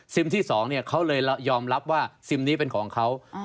ที่๒เขาเลยยอมรับว่าซิมนี้เป็นของเขา